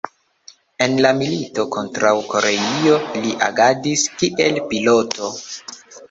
En la milito kontraŭ Koreio li agadis kiel piloto.